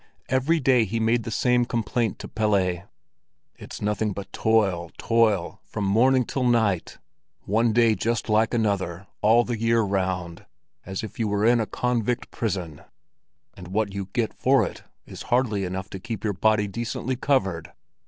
Every day he made the same complaint to Pelle: "It's nothing but toil, toil, from morning till night—one day just like another all the year round, as if you were in a convict prison! And what you get for it is hardly enough to keep your body decently covered.